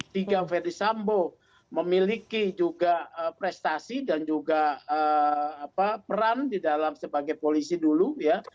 tiga ferdis sambo memiliki juga prestasi dan juga peran di dalam sebagai polisi dulu ya